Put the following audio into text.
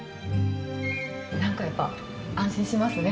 なんかやっぱ、安心しますね。